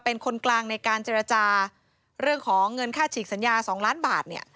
เป็นคนกลางในการเจรจาเรื่องของเงินค่าฉีกสัญญา๒ล้านบาทเนี่ย